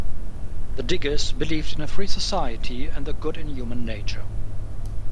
The Diggers believed in a free society and the good in human nature.